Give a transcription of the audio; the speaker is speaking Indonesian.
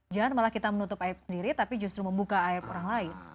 jangan malah kita menutup aib sendiri tapi justru membuka aib orang lain